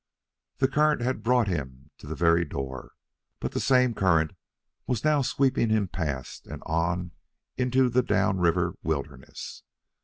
The current had brought him to the very door. But the same current was now sweeping him past and on into the down river wilderness.